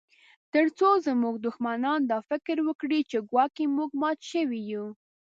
ترڅو زموږ دښمنان دا فکر وکړي چې ګواکي موږ مات شوي یو